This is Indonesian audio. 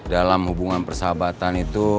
dalam hubungan persahabatan itu